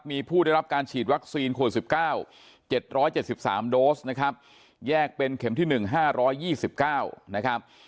มีผู้ได้รับการฉีดวัคซีนขวด๑๙๗๗๓โดสนะครับแยกเป็นเข็มที่๑๕๒๙นะครับ